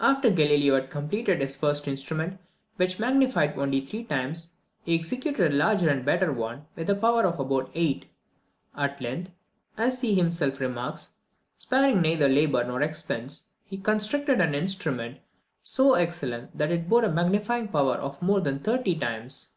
After Galileo had completed his first instrument, which magnified only three times, he executed a larger and a better one, with a power of about eight. "At length," as he himself remarks, "sparing neither labour nor expense," he constructed an instrument so excellent, that it bore a magnifying power of more than thirty times.